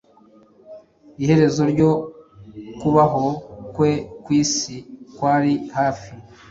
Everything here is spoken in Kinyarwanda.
Iherezo ryo kubaho kwe kwisi kwari hafi